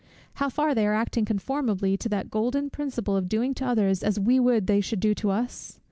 how far they are acting conformably to that golden principle of doing to others as we would they should do to us?